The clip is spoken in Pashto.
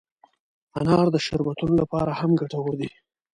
انار د شربتونو لپاره هم ګټور دی.